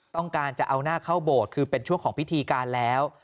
ต้องการจะเอาหน้าเข้าโบสถ์คือเป็นช่วงของพิธีการแล้ว